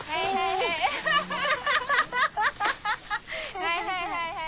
はいはいはいはい。